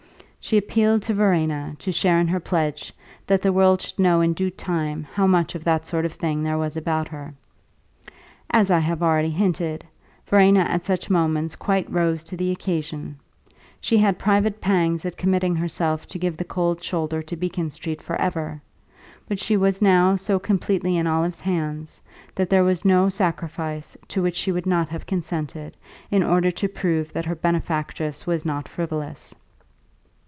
She appealed to Verena to share in her pledge that the world should know in due time how much of that sort of thing there was about her. As I have already hinted, Verena at such moments quite rose to the occasion; she had private pangs at committing herself to give the cold shoulder to Beacon Street for ever; but she was now so completely in Olive's hands that there was no sacrifice to which she would not have consented in order to prove that her benefactress was not frivolous.